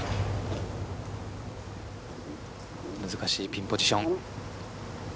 難しいピンポジション。